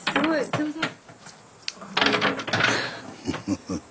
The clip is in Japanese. すいません。